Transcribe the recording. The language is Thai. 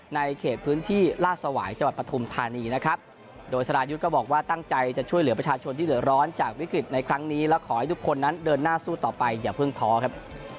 ในเขตพื้นที่ลาดสวายจังหวัดปฐุมธานีนะครับโดยสรายุทธ์ก็บอกว่าตั้งใจจะช่วยเหลือประชาชนที่เดือดร้อนจากวิกฤตในครั้งนี้และขอให้ทุกคนนั้นเดินหน้าสู้ต่อไปอย่าเพิ่งท้อครับ